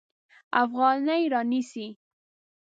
افغانۍ رانیسي.